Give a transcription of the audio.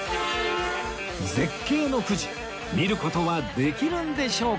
絶景の富士見る事はできるんでしょうか？